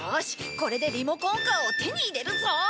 これでリモコンカーを手に入れるぞ！